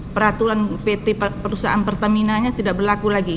peraturan pt pusat pertamina tidak berlaku lagi